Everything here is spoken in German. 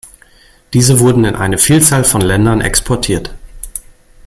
Diese wurden in eine Vielzahl von Ländern exportiert.